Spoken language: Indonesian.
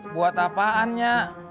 buat apaan nyak